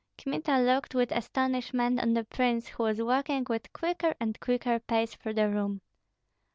Kmita looked with astonishment on the prince, who was walking with quicker and quicker pace through the room.